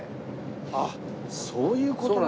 あっそういう事なんですか。